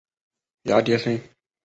芽叠生。